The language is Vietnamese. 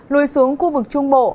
lùi xuống khu vực trung bộ